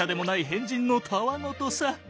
変人のたわごとさ。